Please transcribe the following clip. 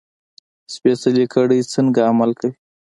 سپېڅلې کړۍ څنګه عمل کوي.